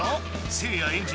せいやエンジ